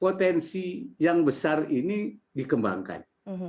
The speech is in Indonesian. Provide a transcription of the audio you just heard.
potensi yang besar ini dikembangkan